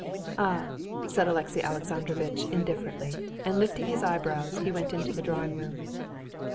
"Ah!" said Alexey Alexandrovitch indifferently, and lifting his eyebrows, he went into the drawing room.